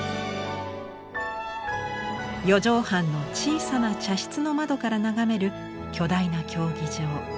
４畳半の小さな茶室の窓から眺める巨大な競技場。